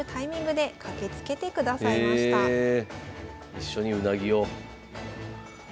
一緒にうなぎを。